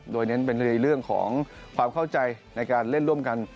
โดยเน้นเป็นในเรื่องของความเข้าใจในการเล่นร่วมกัน